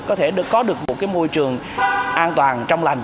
có thể có được một môi trường an toàn trong lành